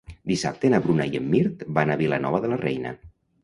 Dissabte na Bruna i en Mirt van a Vilanova de la Reina.